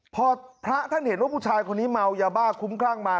พอพระท่านเห็นว่าผู้ชายคนนี้เมายาบ้าคุ้มคลั่งมา